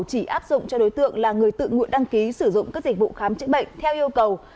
chỉ áp dụng cho đối tượng là người tự nguyện đăng ký sử dụng các dịch vụ khám chữa bệnh theo yêu cầu